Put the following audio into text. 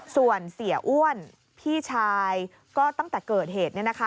ส่วนเสียอ้วนพี่ชายก็ตั้งแต่เกิดเหตุ